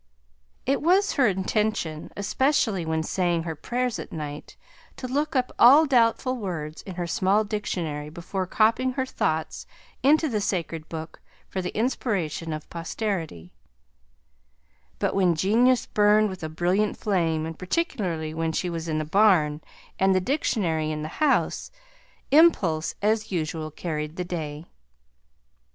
It was her intention, especially when saying her prayers at night, to look up all doubtful words in her small dictionary, before copying her Thoughts into the sacred book for the inspiration of posterity; but when genius burned with a brilliant flame, and particularly when she was in the barn and the dictionary in the house, impulse as usual carried the day.